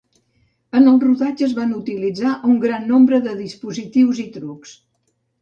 En el rodatge es van utilitzar un gran nombre de dispositius i trucs.